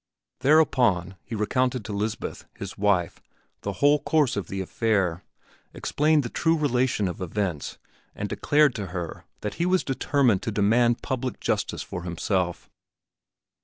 Thereupon he recounted to Lisbeth, his wife, the whole course of the affair, explained the true relation of events, and declared to her that he was determined to demand public justice for himself.